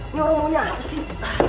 ini orang mau nyari apa sih